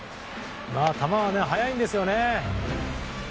球が速いんですよね。